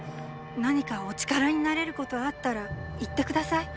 何かお力になれることあったら言って下さい。